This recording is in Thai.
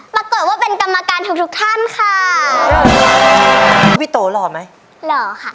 ปรากฏว่าเป็นกรรมการทุกทุกท่านค่ะพี่โตหล่อไหมหล่อค่ะ